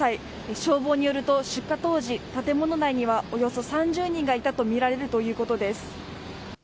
消防によると出火当時建物内にはおよそ３０人がいたとみられるということです。